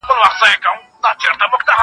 زه به اوږده موده زده کړه وم